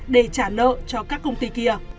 để trả nợ cho các công ty kia